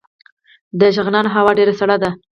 د شغنان هوا ډیره سړه ده